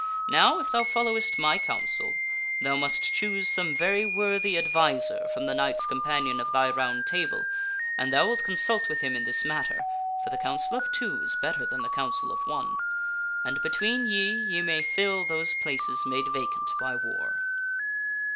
Now if thou followest my counsel, thou must choose some very worthy adviser from the knights companion of thy Round Table, and thou wilt consult with him in this matter (for the counsel of two is better than the counsel of one), and between ye ye may fill those places made vacant by war."